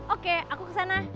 oke aku kesana